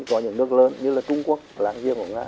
có những nước lớn như là trung quốc láng giềng của nga